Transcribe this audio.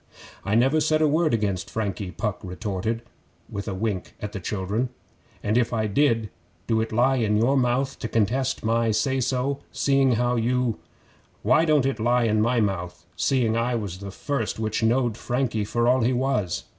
'I never said a word against Frankie,' Puck retorted, with a wink at the children. 'An' if I did, do it lie in your mouth to contest my say so, seeing how you ' 'Why don't it lie in my mouth, seeing I was the first which knowed Frankie for all he was?